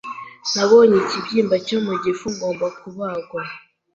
Nabonye ikibyimba cyo mu gifu ngomba kubagwa.